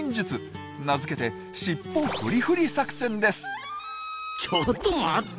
名付けてちょっと待った！